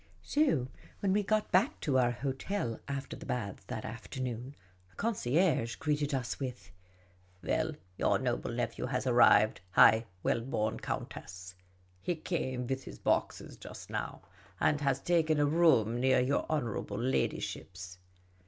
So when we got back to our hotel after the baths that afternoon, the concierge greeted us with :" Well, your noble nephew has arrived, high well born countess ! He came with his boxes just now, and has taken a room near your honourable ladyship's."